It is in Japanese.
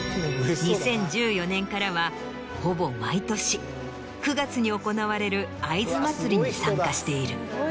２０１４年からはほぼ毎年９月に行われる会津まつりに参加している。